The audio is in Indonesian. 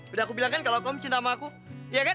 udah aku bilang kan kalau kamu cinta sama aku iya kan